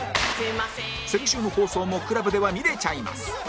先週の放送も ＣＬＵＢ では見れちゃいます